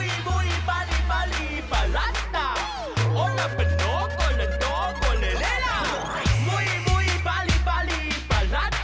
โอ้โหไหนปู่เลยบอกจะมาที่ดีไง